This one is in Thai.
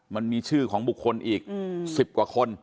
มันมีชื่อของบุคคลอีก๑๐กว่าคน